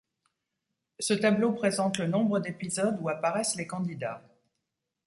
Ce tableau présente le nombre d'épisodes où apparaissent les candidats.